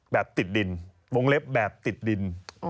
ติดดินวงเล็บแบบติดดิน